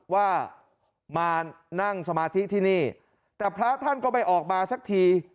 ว่ามานั่งสมาธิที่นี่แต่พระท่านก็ไม่ออกมาสักที